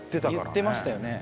言ってましたよね。